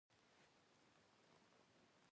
سترګې مې سوزي ـ